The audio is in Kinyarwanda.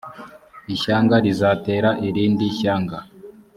ishyanga rizatera irindi shyanga